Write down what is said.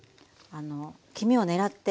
黄身を狙って。